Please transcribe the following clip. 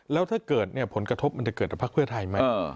แล้วถ้าเกิดเนี่ยผลกระทบมันจะเกิดกับพักเพื่อไทยไหม